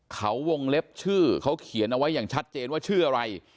เขาวงเล็บชื่อเขาเขียนเอาไว้อย่างชัดเจนว่าชื่ออะไร